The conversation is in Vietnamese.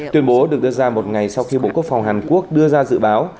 tuyên bố được đưa ra một ngày sau khi bộ quốc phòng hàn quốc đưa ra dự báo